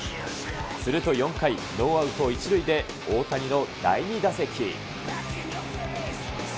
すると４回、ノーアウト１塁で大谷の第２打席。